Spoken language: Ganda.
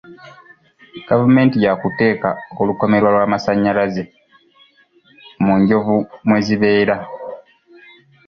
Gavumenti ya kuteeka olukomera olw'amasannyalaze mu enjovu mwe zibeera.